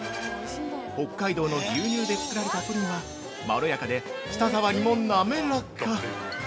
北海道の牛乳で作られたプリンはまろやかで舌触りも滑らか。